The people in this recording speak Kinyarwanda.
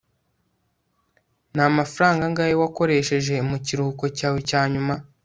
ni amafaranga angahe wakoresheje mu kiruhuko cyawe cya nyuma